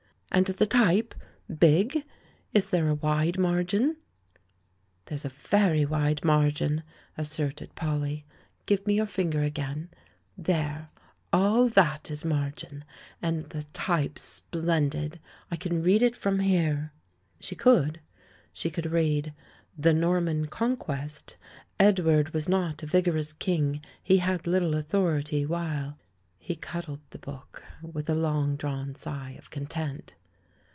"And the type — big? Is there a wide mar gm? "There's a very wide margin," asserted Polly. "Give me your finger again — there, all that is margin. And the type's splendid ! I can read it from here." She could; she could read: "The Norman Conquest. Edward was not a vigorous king; he had little authority, while " He cuddled the book, with a long drawn sigh of content.